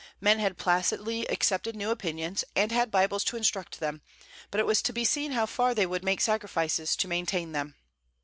Men had placidly accepted new opinions, and had Bibles to instruct them; but it was to be seen how far they would make sacrifices to maintain them.